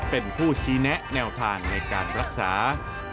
เป็นผู้ชี้แนะแนวทางในการรักษา